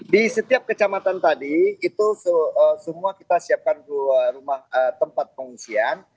di setiap kecamatan tadi itu semua kita siapkan tempat pengungsian